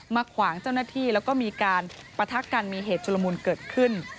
ขวางเจ้าหน้าที่แล้วก็มีการปะทะกันมีเหตุชุลมุนเกิดขึ้น